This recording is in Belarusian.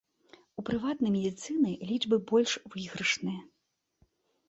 У прыватнай медыцыны лічбы больш выйгрышныя.